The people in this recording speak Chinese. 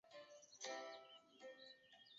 南朝梁天监六年。